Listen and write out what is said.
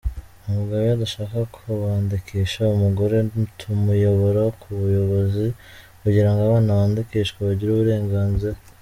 Umugabo iyo adashaka kubandikisha umugore tumuyobora ku buyobozi kugira ngo abana bandikishwe bagire uburenganzira.